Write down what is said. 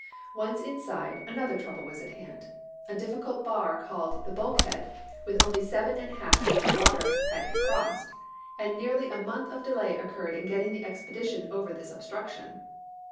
Once inside, another trouble was at hand. A difficult bar called the Bulkhead, with only seven and a half feet of water, had to be crossed ; and nearly a month of delay occurred in getting the expedition over this obstruction.